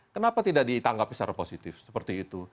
kenapa tidak ditanggapi secara positif seperti itu